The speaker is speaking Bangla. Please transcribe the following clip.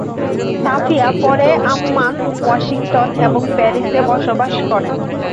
সাফিয়া পরে আম্মান, ওয়াশিংটন এবং প্যারিসে বসবাস করেন।